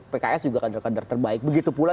pks juga kader kader terbaik begitu pula